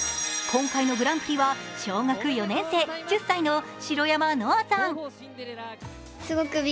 今回のグランプリは小学４年生、１０歳の白山乃愛さん。